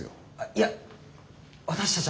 いや私たち